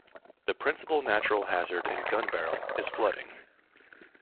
The principal natural hazard in Gunbarrel is flooding.